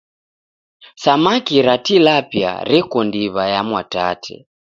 Samaki ra Tilapia reko ndiw'a ya Mwatate.